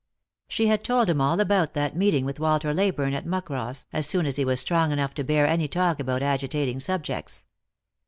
She had told him all about that meeting with Walter Ley burne at Muckross, as soon he was strong enough to bear any talk upon agitating subjects.